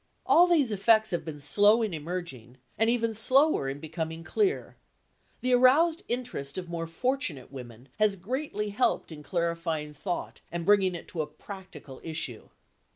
All these effects have been slow in emerging and even slower in becoming clear; the aroused interest of more fortunate women has greatly helped in clarifying thought and bringing it to a practical issue.